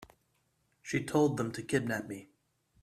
She told them to kidnap me.